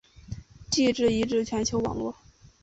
地质遗址全球网络。